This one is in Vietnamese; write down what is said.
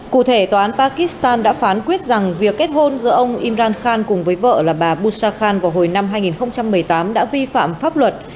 cụ thể tòa án pakistan đã phán quyết rằng việc kết hôn giữa ông imran khan cùng với vợ là bà busha khan vào hồi năm hai nghìn một mươi tám đã vi phạm pháp luật